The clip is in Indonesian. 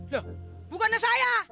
lah bukannya saya